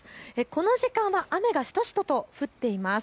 この時間は雨がしとしとと降っています。